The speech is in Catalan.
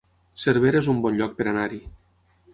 Cervera es un bon lloc per anar-hi